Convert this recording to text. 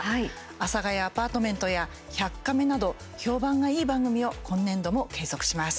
「阿佐ヶ谷アパートメント」や「１００カメ」など評判がいい番組を今年度も継続します。